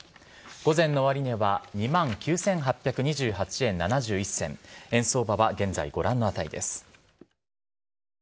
午前の終値は２万９８２８円７１銭、円相場は現在ご覧の値です。